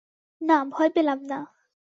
না, ভয় পেলাম না!